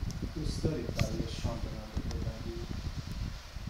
دوست دارید برای شام به من بپیوندید؟